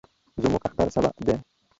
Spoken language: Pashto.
زموږ اختر سبا دئ.